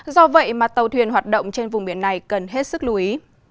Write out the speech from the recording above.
do vậy mà tàu thuyền hoạt động trên vùng biển này cần hết sức lưu ý